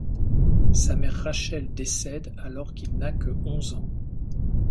Sa mère Rachel décède alors qu'il n'a que onze ans.